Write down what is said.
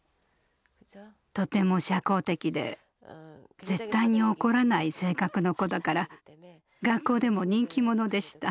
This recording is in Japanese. とても社交的で絶対に怒らない性格の子だから学校でも人気者でした。